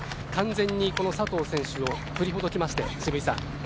完全にこの佐藤選手を振りほどきまして渋井さん。